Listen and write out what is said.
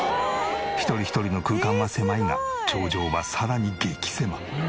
一人一人の空間は狭いが頂上はさらに激狭！